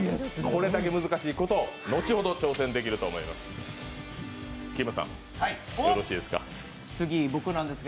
これだけ難しいことを後ほど挑戦できると思います。